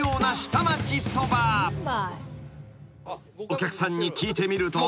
［お客さんに聞いてみると］